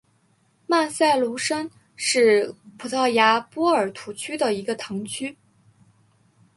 曼塞卢什是葡萄牙波尔图区的一个堂区。